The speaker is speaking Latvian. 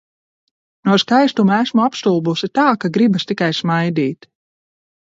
No skaistuma esmu apstulbusi tā, ka gribas tikai smaidīt.